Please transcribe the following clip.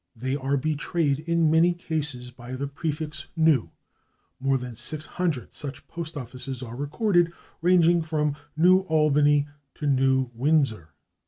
They are betrayed in many cases by the prefix /New/; more than 600 such postoffices are recorded, ranging from /New Albany/ to /New Windsor